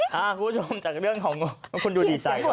คุณผู้ชมจากเรื่องของงู